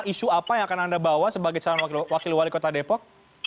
isu apa yang akan anda bawa sebagai calon wakil wali kota depok